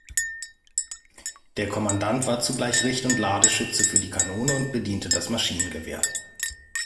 Der Kommandant war zugleich Richt- und Ladeschütze für die Kanone und bediente das Maschinengewehr.